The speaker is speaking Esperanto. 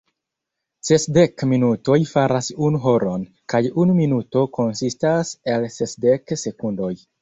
Sesdek minutoj faras unu horon, kaj unu minuto konsistas el sesdek sekundoj.